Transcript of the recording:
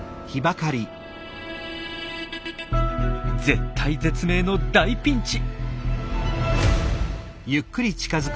絶体絶命の大ピンチ。